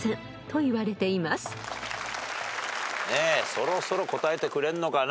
そろそろ答えてくれんのかな。